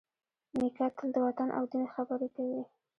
نیکه تل د وطن او دین خبرې کوي.